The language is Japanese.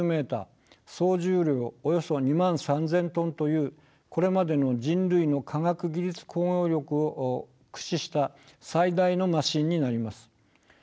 総重量およそ２万３，０００トンというこれまでの人類の科学技術工業力を駆使した最大のマシンになります。